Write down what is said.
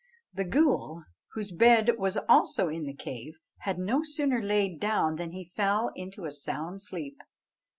The ghool, whose bed was also in the cave, had no sooner laid down than he fell into a sound sleep.